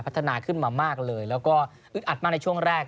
พัฒนาขึ้นมามากเลยแล้วก็อึดอัดมากในช่วงแรก